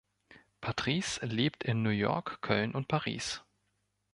Patrice lebt in New York, Köln und Paris.